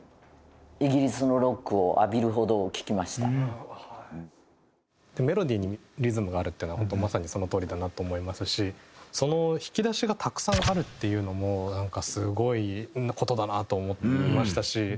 主にメロディーにリズムがあるっていうのは本当まさにそのとおりだなと思いますしその引き出しがたくさんあるっていうのもなんかすごい事だなと思いましたし。